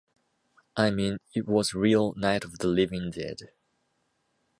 I mean, it was real "Night of the Living Dead".